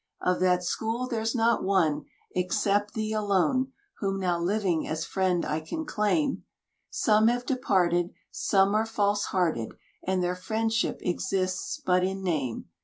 Of that school there's not one Except thee alone, Whom now living as friend I can claim; Some have departed, Some are false hearted, And their friendship exists but in name.